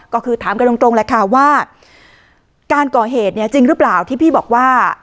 ก็คือถามกันตรงแหละค่ะว่าการก่อเหตุเนี่ยจริงหรือเปล่าที่พี่บอกว่า